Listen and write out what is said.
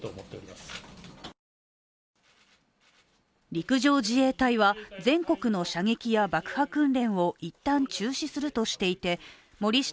陸上自衛隊は全国の射撃や爆破訓練を一旦中止するとしていて森下